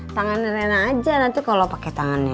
tangan rena aja nanti kalau pakai tangannya